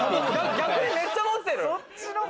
逆にめっちゃ持ってる。